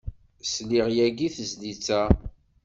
Sliɣ yagi i tezlit-a.